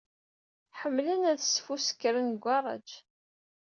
Ḥemmlen ad sfuskren deg ugaṛaj.